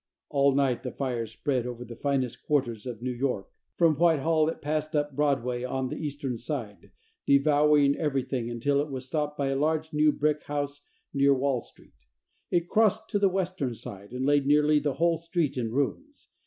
All night the fire spread over the finest quarter of New York. From Whitehall it passed up Broadway on the eastern side, devouring everything, until it was stopped by a large new brick house near Wall Street. It crossed to the western side, and laid nearly the whole street in ruins.